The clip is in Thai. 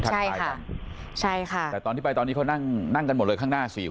ใช่ค่ะใช่ค่ะแต่ตอนที่ไปตอนนี้เขานั่งนั่งกันหมดเลยข้างหน้าสี่